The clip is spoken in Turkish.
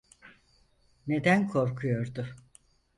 Neden korkuyordu.